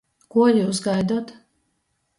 Kuo jius gaidot?